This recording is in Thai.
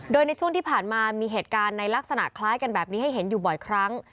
โดยในช่วงที่ผ่านมามีเหตุการณ์ในลักษณะคล้ายกันแบบนี้ให้เห็นอยู่บ่อยครั้ง